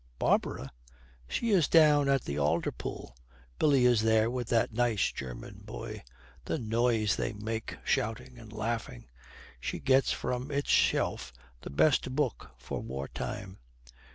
'Barbara?' 'She is down at the alder pool. Billy is there with that nice German boy. The noise they make, shouting and laughing!' She gets from its shelf the best book for war time.